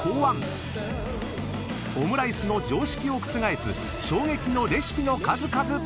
［オムライスの常識を覆す衝撃のレシピの数々！］